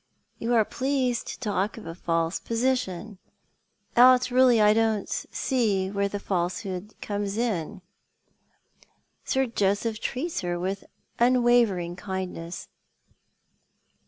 " You are pleased to talk of a false position — out really I don't see where the falsehood comes iu. Sir Joseph treats her with unwavering kindness."